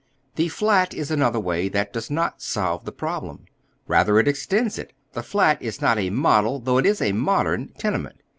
The " flat " is another way that does not solve tlie prob lem, Eather, it extends it. The flat is not a model, though it ia a modern, tenement.